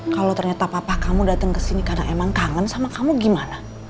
kalau ternyata papa kamu datang ke sini karena emang kangen sama kamu gimana